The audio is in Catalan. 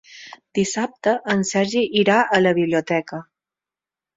Dissabte en Sergi irà a la biblioteca.